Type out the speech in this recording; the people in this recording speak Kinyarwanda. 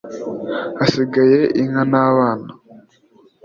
Hasigaye Inka n’abana